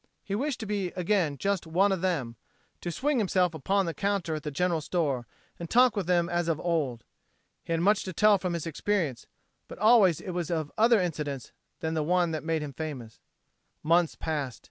He wished to be again just one of them, to swing himself upon the counter at the general store and talk with them as of old. He had much to tell from his experience, but always it was of other incidents than the one that made him famous. Months passed.